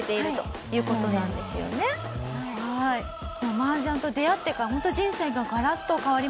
麻雀と出会ってからホントに人生がガラッと変わりましたね。